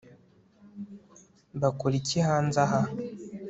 bakora iki hanze aha